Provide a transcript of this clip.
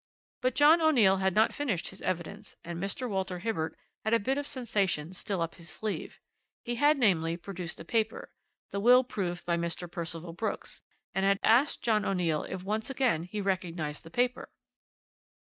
"But John O'Neill had not finished his evidence, and Mr. Walter Hibbert had a bit of sensation still up his sleeve. He had, namely, produced a paper, the will proved by Mr. Percival Brooks, and had asked John O'Neill if once again he recognized the paper.